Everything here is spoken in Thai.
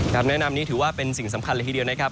คำแนะนำนี้ถือว่าเป็นสิ่งสำคัญเลยทีเดียวนะครับ